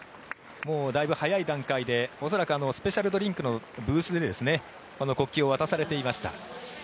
だいぶ早い段階で恐らくスペシャルドリンクのブースで国旗を渡されていました。